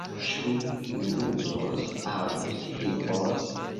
Ĉu ni ludos aŭ skribos?